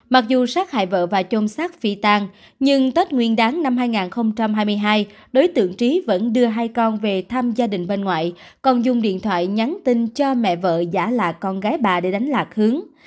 mặc dù sát hại vợ và chôm sát phi tan nhưng tết nguyên đáng năm hai nghìn hai mươi hai đối tượng trí vẫn đưa hai con về thăm gia đình bên ngoại còn dùng điện thoại nhắn tin cho mẹ vợ giả là con gái bà để đánh lạc hướng